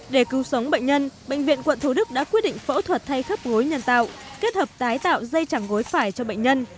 để cứu sống bệnh nhân bệnh viện quận thủ đức đã quyết định phẫu thuật thay khắp gối nhân tạo kết hợp tái tạo dây chẳng gối phải cho bệnh nhân